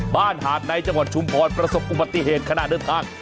หาดในจังหวัดชุมพรประสบอุบัติเหตุขณะเดินทาง